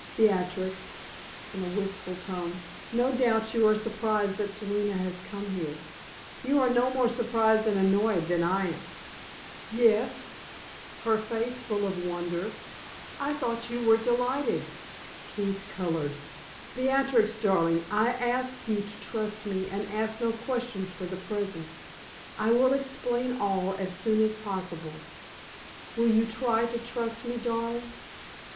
"Beatrix," in a wistful tone "no doubt you are surprised that Serena has come here. You are no more surprised and annoyed than I am." "Yes," her face full of wonder "I thought that you were delighted." Keith colored. "Beatrix, darling, I ask you to trust me, and ask no questions for the present. I will explain all as soon as possible. Will you try to trust me, darling?"